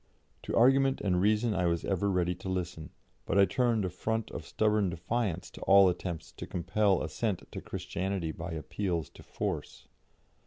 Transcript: To argument and reason I was ever ready to listen, but I turned a front of stubborn defiance to all attempts to compel assent to Christianity by appeals to force.